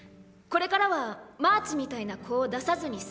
これからはマーチみたいな子を出さずに済むんだ。